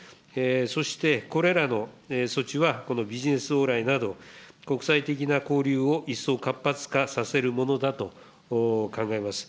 そしてこれらの措置は、このビジネス往来など、国際的な交流を一層活発化させるものだと考えます。